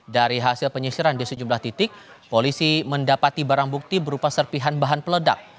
dari hasil penyisiran di sejumlah titik polisi mendapati barang bukti berupa serpihan bahan peledak